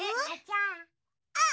あっ！